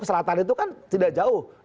selatan itu kan tidak jauh